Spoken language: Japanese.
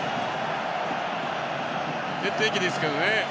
決定機ですけどね。